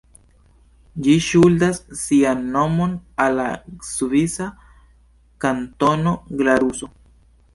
Ĝi ŝuldas sian nomon al la svisa kantono Glaruso.